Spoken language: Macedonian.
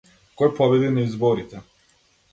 Кој победи на изборите?